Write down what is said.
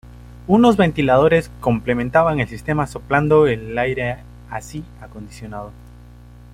Unos ventiladores complementaban el sistema soplando el aire así acondicionado.